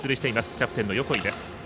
キャプテンの横井です。